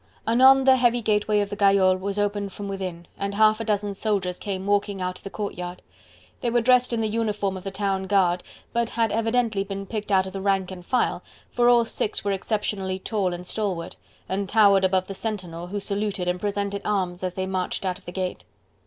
Anon the heavy gateway of Gayole was opened from within, and half a dozen soldiers came walking out of the courtyard. They were dressed in the uniform of the town guard, but had evidently been picked out of the rank and file, for all six were exceptionally tall and stalwart, and towered above the sentinel, who saluted and presented arms as they marched out of the gate.